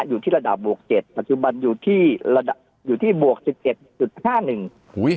อยู่ที่ระดับบวกเจ็ดปัจจุบันอยู่ที่ระดับอยู่ที่บวกสิบเอ็ดจุดห้าหนึ่งอุ้ย